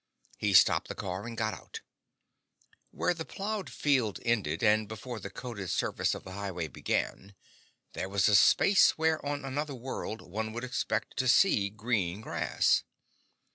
He stopped the car and got out. Where the ploughed field ended, and before the coated surface of the highway began, there was a space where on another world one would expect to see green grass.